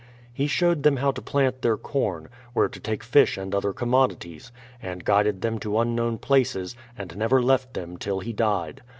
He showed them how to plant their corn, where to take fish and other commodities, and guided them to unknown places, and never left them till he died.